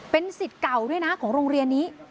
เป็นสิทธิ์เก่าด้วยนะของโรงเรียนนี้